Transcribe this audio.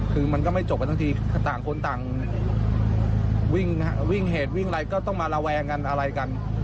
คือมันก็ไม่จบกันทั้งทีต่างคนต่างวิ่งเหตุวิ่งอะไรก็ต้องมาระแวงกันอะไรกัน